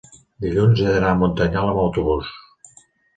dilluns he d'anar a Muntanyola amb autobús.